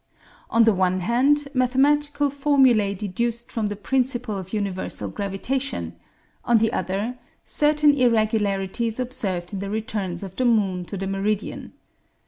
On the one hand, mathematical formulae deduced from the principle of universal gravitation; on the other, certain irregularities observed in the returns of the moon to the meridian.